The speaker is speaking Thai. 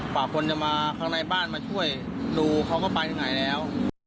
กว่าคนจะมาข้างในบ้านมาช่วยดูเขาก็ไปถึงไหนแล้ว